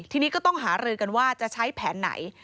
ทีนี้ก็ต้องหารือกันว่าจะใช้แผนไหน